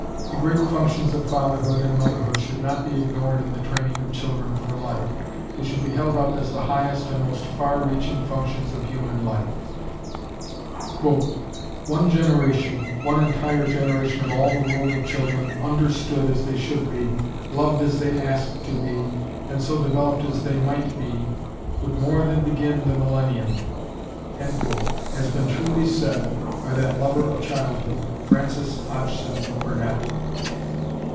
The great functions of fatherhood and motherhood should not be ignored in the training of children for life. They should be held up as the highest and most far reaching functions of human life.... "One generation, one entire generation of all the world of children understood as they should be, loved as they ask to be, and so developed as they might be, would more than begin the millennium," has been truly said by that lover of childhood, Frances Hodgson Burnett.